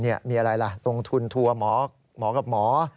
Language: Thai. มีอะไรล่ะลงทุนทัวร์หมอกับหมอ